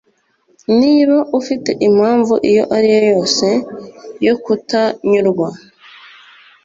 Niba ufite impamvu iyo ari yo yose yo kutanyurwa